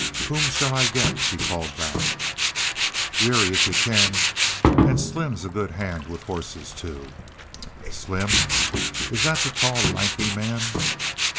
"Whom shall I get?" she called back. "Weary, if you can and Slim's a good hand with horses, too." "Slim is that the tall, lanky man?"